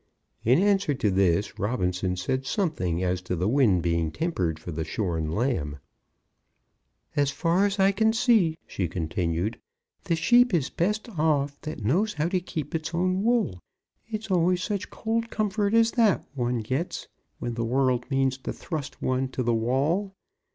In answer to this Robinson said something as to the wind being tempered for the shorn lamb. "As far as I can see," she continued, "the sheep is best off that knows how to keep its own wool. It's always such cold comfort as that one gets, when the world means to thrust one to the wall.